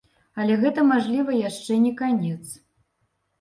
Але гэта, мажліва, яшчэ не канец.